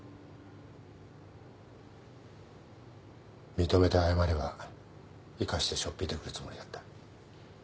認めて謝れば生かしてしょっぴいてくるつもりだった。